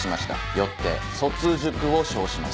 よって卒塾を証します。